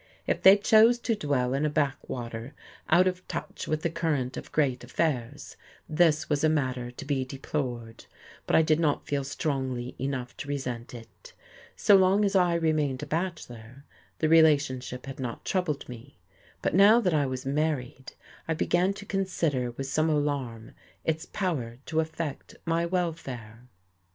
If they chose to dwell in a backwater out of touch with the current of great affairs, this was a matter to be deplored, but I did not feel strongly enough to resent it. So long as I remained a bachelor the relationship had not troubled me, but now that I was married I began to consider with some alarm its power to affect my welfare.